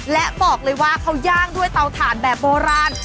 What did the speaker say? และบอกเลยว่าเขาย่างด้วยเตาถ่านแบบโบราณ